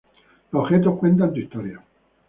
Los objetos cuentan tu historia".